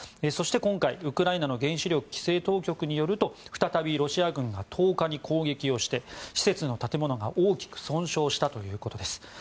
そして今回、ウクライナの原子力規制当局によると再びロシア軍が１０日に攻撃して施設の建物が大きく損傷したということです。